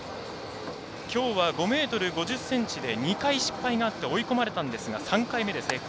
きょうは５ｍ５０ｃｍで２回失敗があって追い込まれたんですが３回目で成功。